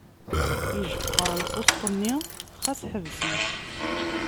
Ijexxer lpuṣt-nni, ɣas ḥbes-it.